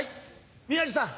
宮治さん